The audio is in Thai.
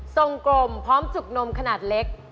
กลมพร้อมจุกนมขนาดเล็ก